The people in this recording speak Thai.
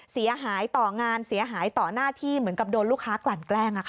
เสียหายต่องานเสียหายต่อหน้าที่เหมือนกับโดนลูกค้ากลั่นแกล้ง